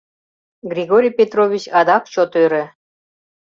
Григорий Петрович адак чот ӧрӧ.